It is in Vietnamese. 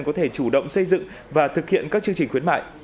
có thể chủ động xây dựng và thực hiện các chương trình khuyến mại